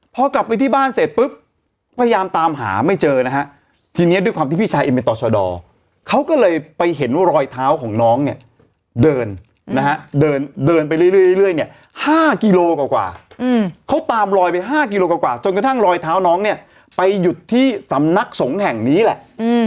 พอกลับไปที่บ้านเสร็จปุ๊บพยายามตามหาไม่เจอนะฮะทีนี้ด้วยความที่พี่ชายเอ็มเป็นต่อชะดอเขาก็เลยไปเห็นว่ารอยเท้าของน้องเนี่ยเดินนะฮะเดินเดินไปเรื่อยเนี่ย๕กิโลกว่าเขาตามลอยไป๕กิโลกว่าจนกระทั่งรอยเท้าน้องเนี่ยไปหยุดที่สำนักสงฆ์แห่งนี้แหละ